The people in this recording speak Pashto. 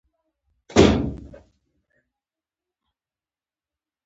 خو ممکن په همدې شتمنۍ کې ځان ورک کړئ.